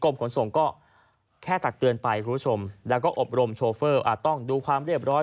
ขนส่งก็แค่ตักเตือนไปคุณผู้ชมแล้วก็อบรมโชเฟอร์ต้องดูความเรียบร้อย